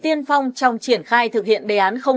tiên phong trong triển khai thực hiện đề án sáu